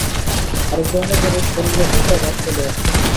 আরেক ধরনের জ্বরে শরীরে ভোঁতা ভাব চলে আসে।